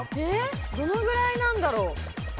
どのくらいなんだろう？